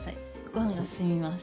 ご飯が進みます。